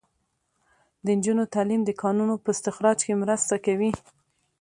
د نجونو تعلیم د کانونو په استخراج کې مرسته کوي.